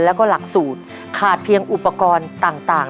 แล้วก็หลักสูตรขาดเพียงอุปกรณ์ต่าง